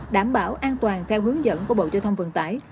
đảm bảo an toàn theo hướng dẫn của bộ giao thông vận tải